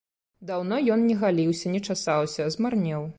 Даўно ён не галіўся, не часаўся, змарнеў.